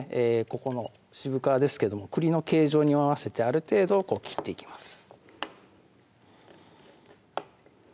ここの渋皮ですけども栗の形状に合わせてある程度切っていきます